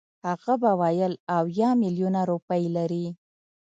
هغه به ویل اویا میلیونه روپۍ لري.